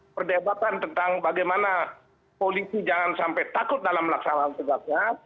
perdebatan tentang bagaimana polisi jangan sampai takut dalam melaksanakan tugasnya